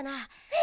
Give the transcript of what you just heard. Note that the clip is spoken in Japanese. え！